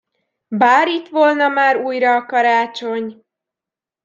Bár itt volna már újra a karácsony!